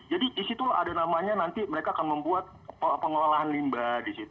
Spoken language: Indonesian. jadi disitu ada namanya nanti mereka akan membuat pengelolaan limba disitu